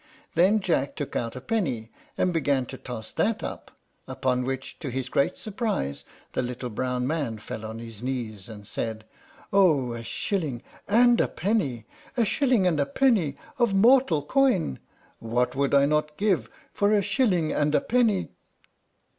Then Jack took out a penny, and began to toss that up, upon which, to his great surprise, the little brown man fell on his knees, and said, "Oh, a shilling and a penny, a shilling and a penny of mortal coin! What would I not give for a shilling and a penny!"